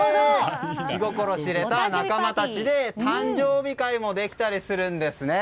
気心知れた仲間たちで誕生日会もできたりするんです。